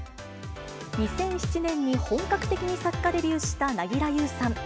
２００７年に本格的に作家デビューした凪良ゆうさん。